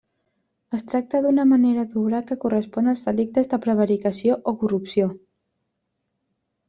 Es tracta d'una manera d'obrar que correspon als delictes de prevaricació o corrupció.